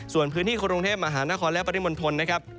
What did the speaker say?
ส่วนพื้นที่กรุงเทพมหานครและปริมณฑลนะครับ